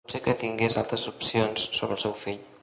Pot ser que tingués altres opinions sobre el seu fill.